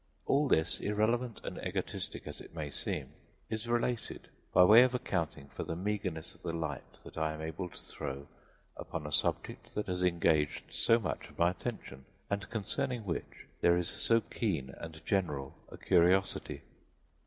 All this, irrelevant and egotistic as it may seem, is related by way of accounting for the meagreness of the light that I am able to throw upon a subject that has engaged so much of my attention, and concerning which there is so keen and general a curiosity.